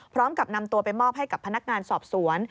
พร้อมกับนำตัวไปมอบให้กับพนักงานสอบสวน